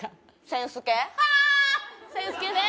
センス系ね